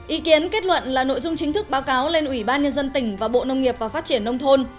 ý kiến kết luận là nội dung chính thức báo cáo lên ủy ban nhân dân tỉnh và bộ nông nghiệp và phát triển nông thôn